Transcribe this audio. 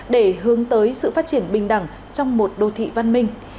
để hướng tới sự phát triển bình đẳng trong một đô thị văn minh